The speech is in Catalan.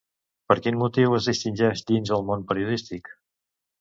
Per quin motiu es distingeix dins el món periodístic?